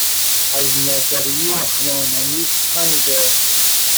از نظریه همانندی سخن گفت